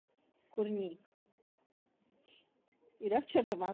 Rezervace je významnou hmyzí lokalitou.